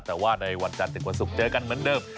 แต่ว่าในวันจันทร์ถึงวันศุกร์เจอกันเหมือนเดิม